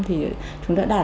thì chúng đã đạt